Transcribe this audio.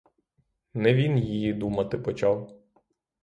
Не він її думати почав.